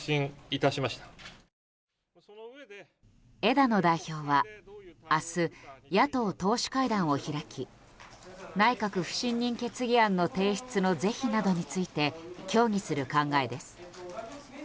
枝野代表は明日野党党首会談を開き内閣不信任決議案の提出の是非などについて協議する考えです。